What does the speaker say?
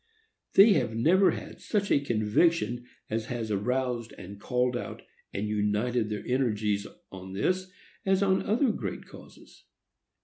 They have never had such a conviction as has aroused, and called out, and united their energies, on this, as on other great causes.